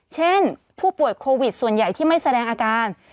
เช่นผู้ป่วยโควิดส่วนใหญ่ที่ไม่แสดงอาการ